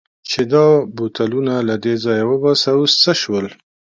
چې دا بوتلونه له دې ځایه وباسه، اوس څه شول؟